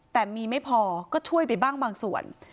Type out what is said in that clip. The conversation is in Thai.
แต่มีไม่พอก็ช่วยไปบ้างบางส่วน